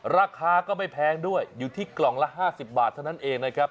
ราคาก็ไม่แพงด้วยอยู่ที่กล่องละ๕๐บาทเท่านั้นเองนะครับ